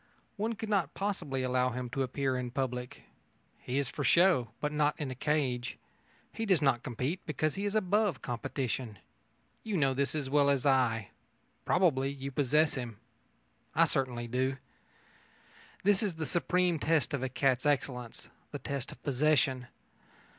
One could not possibly allow him to appear in public. He is for show, but not in a cage. He does not compete, because he is above competition. You know this as well as I. Probably you possess him. I certainly do. That is the supreme test of a cat's excellence the test of possession.